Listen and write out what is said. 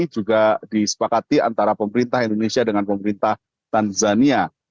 juga disepakati antara pemerintah indonesia dengan pemerintah tanzania